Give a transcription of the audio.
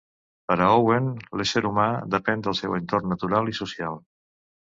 Per a Owen, l'ésser humà depèn del seu entorn natural i social.